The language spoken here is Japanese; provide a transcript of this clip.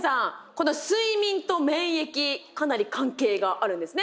この睡眠と免疫かなり関係があるんですね。